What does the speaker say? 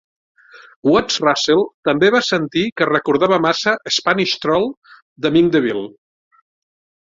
Watts-Russell també va sentir que recordava massa "Spanish Stroll" de MInk Deville.